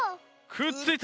くっついた！